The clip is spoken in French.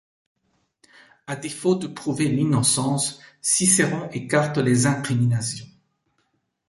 À défaut de prouver l’innocence, Cicéron écarte les incriminations.